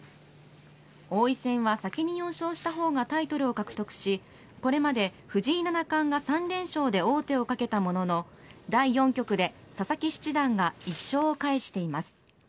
王位戦は、先に４勝した方がタイトルを獲得しこれまで、藤井七冠が３連勝で王手をかけたものの第４局で、佐々木七段が１勝を返しています。